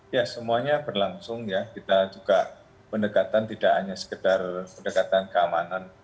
ya semuanya berlangsung ya kita juga pendekatan tidak hanya sekedar pendekatan keamanan